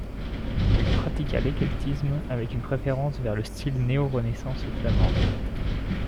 Il pratiqua l'éclectisme avec une préférence vers le style néo-Renaissance flamande.